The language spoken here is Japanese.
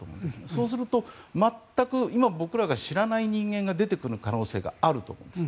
そうすると、全く今、僕らが知らない人間が出てくる可能性があると思うんです。